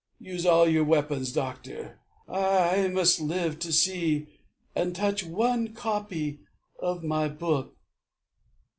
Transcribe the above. Use all your weapons, doctor. I must live To see and touch one copy of my book.